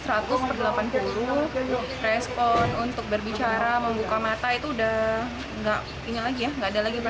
respon untuk berbicara membuka mata itu sudah tidak ada lagi